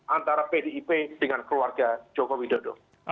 antara pdip dengan keluarga jokowi dodo